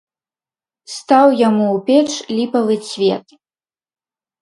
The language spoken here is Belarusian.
Стаў яму ў печ ліпавы цвет.